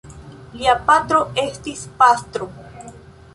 Lia patro estis pastro.